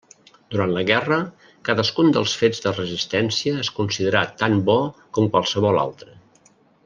Durant la guerra, cadascun dels fets de Resistència es considerà tan bo com qualsevol altre.